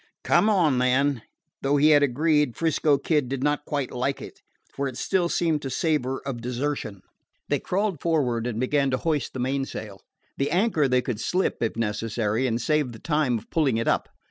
"Come on, then." Though he had agreed, 'Frisco Kid did not quite like it, for it still seemed to savor of desertion. They crawled forward and began to hoist the mainsail. The anchor they could slip, if necessary, and save the time of pulling it up.